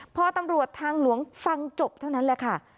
พอตำรวจทางหลวงฟังจบเท่านั้นแหละค่ะ